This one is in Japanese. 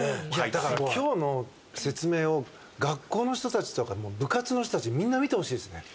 だから、今日の説明を学校の人たちとか部活の人たちみんな見てほしいですね。